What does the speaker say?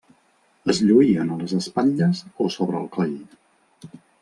Es lluïen a les espatlles o sobre el coll.